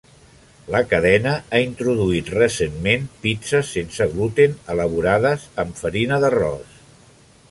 La cadena ha introduït recentment pizzes sense gluten, elaborades amb farina d'arròs.